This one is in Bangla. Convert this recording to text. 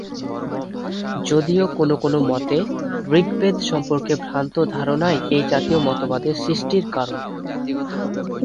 যদিও কোনো কোনো মতে, ঋগ্বেদ সম্পর্কে ভ্রান্ত ধারণাই এই জাতীয় মতবাদের সৃষ্টির কারণ।